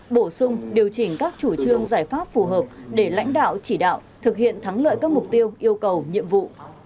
bổ sung điều chỉnh các chủ trương giải pháp phù hợp để lãnh đạo chỉ đạo thực hiện thắng lợi các mục tiêu yêu cầu nhiệm vụ